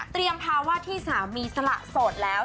เตรียมภาวะที่สามีสละโสดแล้ว